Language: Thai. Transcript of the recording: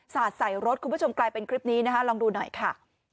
สาดใส่รถคุณผู้ชมกลายเป็นคลิปนี้นะคะลองดูหน่อยค่ะ